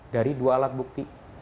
dari dua alat bukti